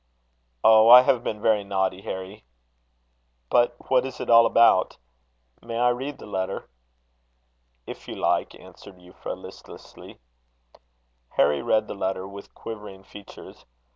"Oh! I have been very naughty, Harry." "But what is it all about? May I read the letter?" "If you like," answered Euphra, listlessly. Harry read the letter with quivering features.